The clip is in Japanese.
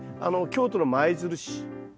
京都の舞鶴市。